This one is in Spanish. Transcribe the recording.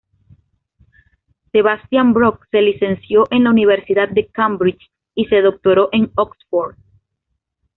Sebastian Brock se licenció en la Universidad de Cambridge, y se doctoró en Oxford.